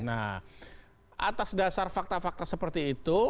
nah atas dasar fakta fakta seperti itu